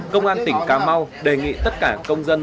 công an tỉnh cà mau đề nghị tất cả công dân